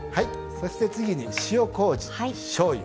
そして次に塩こうじしょうゆ